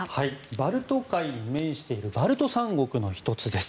バルト海に面しているバルト三国の１つです。